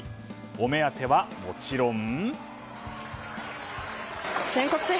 お目当ては、もちろん。